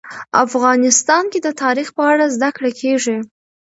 افغانستان کې د تاریخ په اړه زده کړه کېږي.